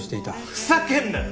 ふざけんなよ！